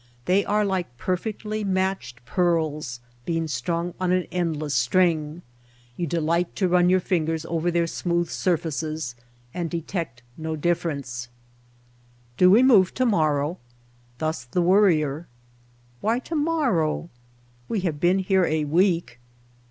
They are like perfectly matched pearls being strung on an endless string. You delight to run your fingers over their smooth surfaces and detect no difference. The Mountain Spring ''Do we move to morrow?" Thus the Wor rier. "Why to morrow?" "We have been here a week."